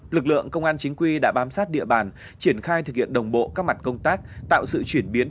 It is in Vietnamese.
lực lượng công an chính quy đã bám sát địa bàn triển khai thực hiện đồng bộ các mặt công tác tạo sự chuyển biến